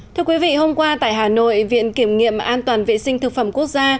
thưa quý vị hôm qua tại hà nội viện kiểm nghiệm an toàn vệ sinh thực phẩm quốc gia